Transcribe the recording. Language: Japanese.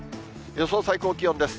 予想最高気温です。